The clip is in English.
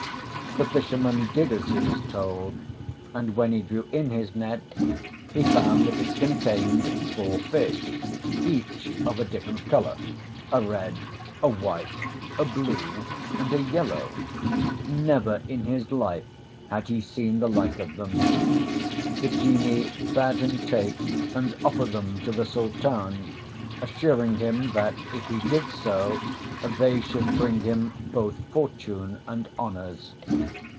The fisherman did as he was told, and when he drew in his net he found that it contained four fish each of a different colour, a red, a white, a blue, and a yellow: never in his life had he seen the like of them. The Genie bade him take and offer them to the Sultan, assuring him that if he did so they should bring him both fortune and honours.